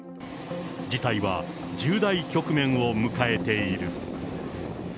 事態は重大局面を迎えている。